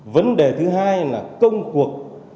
vấn đề thứ hai là công cuộc